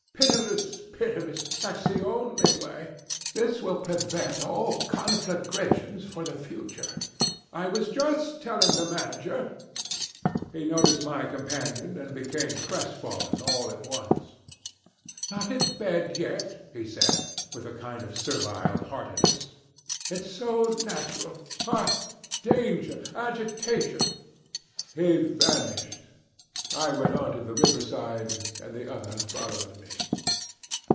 Pitiless, pitiless. That's the only way. This will prevent all conflagrations for the future. I was just telling the manager ...' He noticed my companion, and became crestfallen all at once. 'Not in bed yet,' he said, with a kind of servile heartiness; 'it's so natural. Ha! Danger agitation.' He vanished. I went on to the river side, and the other followed me.